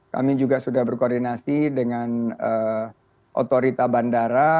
kami juga sudah berkoordinasi dengan otorita bandara